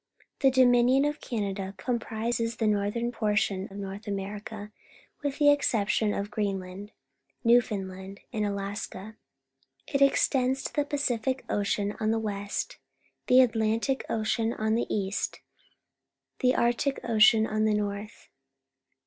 — The Do tninion of Canada comprises the northern portion of North America, with the exception of Greenland, Nexcfoundland, and Alaska. It extends to the Pacific Ocean on the west, the Atlantic Ocean on the east, the Arctic Ocean on the north.